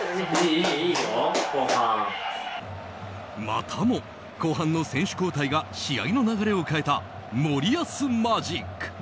またも後半の選手交代が試合の流れを変えた森保マジック。